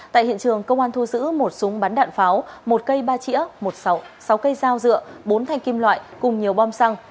tại hiện trường công an thu giữ một súng bắn đạn pháo một cây ba chỉa sáu cây dao dựa bốn thanh kim loại cùng nhiều bom xăng